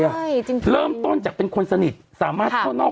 เป็นตั้งเลยคุณแม่แบบเป็นตั้งเลยคุณแม่แบบเป็นตั้งเลย